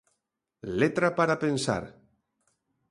Letra para pensar.